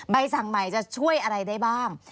ใบสั่งใหม่จะช่วยอะไรได้บ้าง